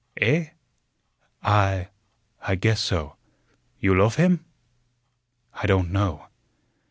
"Eh?" "I I guess so." "You loaf him?" "I don't know."